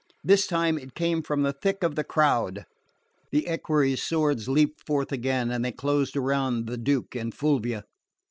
This time it came from the thick of the crowd. The equerries' swords leapt forth again, and they closed around the Duke and Fulvia.